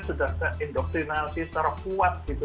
sudah terindoktrinasi secara kuat gitu